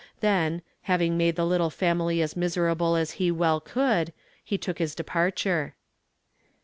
Then, having made the little family as miserable as he well could, lie took his departure.